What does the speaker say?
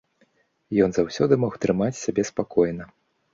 Ён заўсёды мог трымаць сябе спакойна.